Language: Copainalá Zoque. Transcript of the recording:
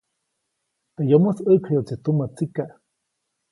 Teʼ yomoʼis ʼäʼkjayuʼtsi tumä tsikaʼ.